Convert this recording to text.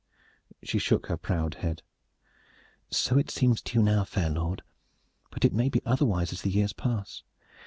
She shook her proud head. "So it seems to you now, fair lord, but it may be otherwise as the years pass.